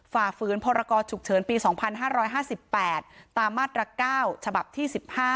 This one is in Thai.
ฝ่าฝืนพรกรฉุกเฉินปี๒๕๕๘ตามมาตร๙ฉบับที่๑๕